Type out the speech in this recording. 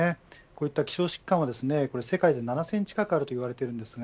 こうした希少疾患は世界で７０００近くあるといわれています。